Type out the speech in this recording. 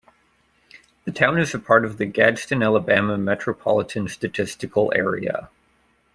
The town is a part of the Gadsden, Alabama Metropolitan Statistical Area.